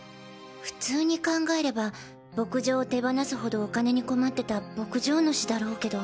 普通に考えれば牧場を手放すほどお金に困ってた牧場主だろうけど。